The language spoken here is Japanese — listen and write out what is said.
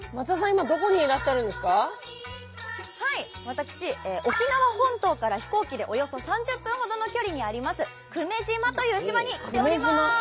私沖縄本島から飛行機でおよそ３０分ほどの距離にあります久米島という島に来ております。